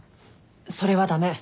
それは駄目。